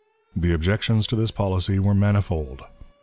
The objections to this policy were manifold.